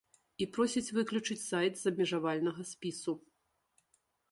І просіць выключыць сайт з абмежавальнага спісу.